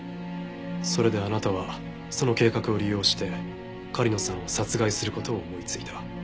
それであなたはその計画を利用して狩野さんを殺害する事を思いついた。